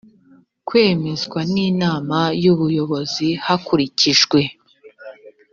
kwemezwa n inama y ubuyobozi hakurikijwe